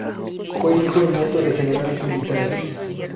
Fue hijo y nieto de generales militares.